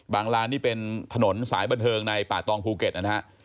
ลานนี่เป็นถนนสายบันเทิงในป่าตองภูเก็ตนะฮะ